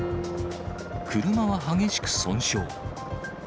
車は激しく損傷。